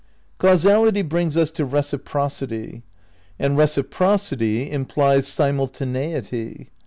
Causality brings us to Reciprocity. And reciprocity implies simultaneity.